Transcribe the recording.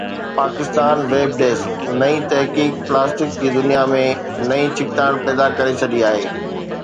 Pakistan web desk: نئين تحقيق plastic جي دنيا ۾ نئين ڇڪتاڻ پيدا ڪري ڇڏي آهي